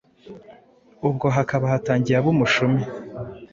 Ubwo hakaba hatangiye Ab'Umushumi,